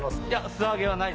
素揚げはないです